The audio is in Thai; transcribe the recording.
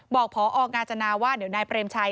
บอกพอกาญจนาว่าเดี๋ยวนายเปรมชัย